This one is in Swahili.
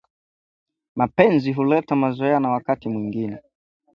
mapenzi huleta mazoea na wakati mwengine